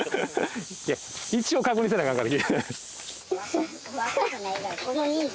いや一応確認せなアカンから。